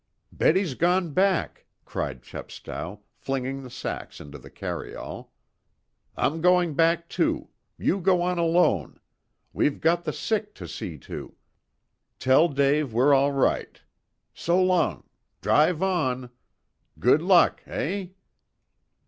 "Betty's gone back," cried Chepstow, flinging the sacks into the carryall. "I'm going back too. You go on alone. We've got the sick to see to. Tell Dave we're all right. So long! Drive on! Good luck! Eh?"